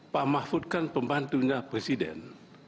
pak mahfud kan pembantunya presiden